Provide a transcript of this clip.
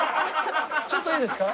ちょっといいですか？